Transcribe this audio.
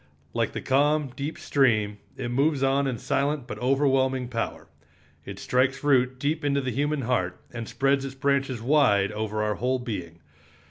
Like the calm, deep stream, it moves on in silent but overwhelming power. It strikes root deep into the human heart, and spreads its branches wide over our whole being.